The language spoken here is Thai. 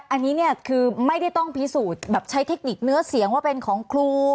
อันนี้เนี่ยคือไม่ได้ต้องพิสูจน์แบบใช้เทคนิคเนื้อเสียงว่าเป็นของครู